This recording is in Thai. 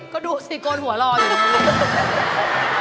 ก็ดูสิโกนหัวรออยู่